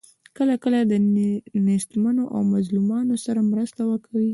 کله کله له نیستمنو او مظلومانو سره مرسته کوي.